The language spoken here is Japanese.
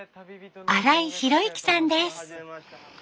新井弘幸さんです。